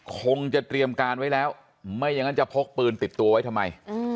คงจะเตรียมการไว้แล้วไม่อย่างนั้นจะพกปืนติดตัวไว้ทำไม